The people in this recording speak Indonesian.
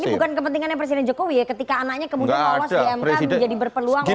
ini bukan kepentingannya presiden jokowi ya ketika anaknya kemudian lolos di mk menjadi berpeluang